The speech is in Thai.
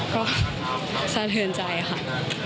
ก็สะเทือนใจค่ะ